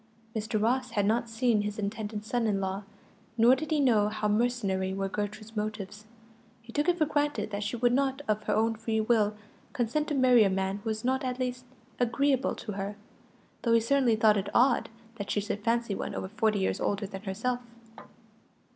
Mr. Ross had not seen his intended son in law, nor did he know how mercenary were Gertrude's motives. He took it for granted that she would not, of her own free will, consent to marry a man who was not at least agreeable to her, though he certainly thought it odd that she should fancy one over forty years older than herself.